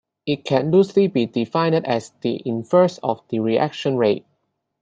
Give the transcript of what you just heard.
It can loosely be defined as the inverse of the reaction rate.